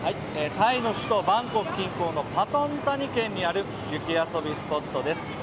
タイの首都バンコク近郊のパトゥムタニ県にある雪遊びスポットです。